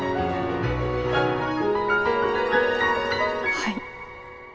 はい。